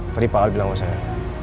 tadi pak al bilang gue sama dia